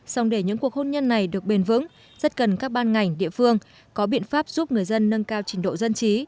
xong để những cuộc hôn nhân này được bền vững rất cần các ban ngành địa phương có biện pháp giúp người dân nâng cao trình độ dân trí